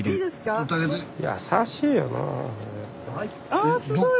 あすごい。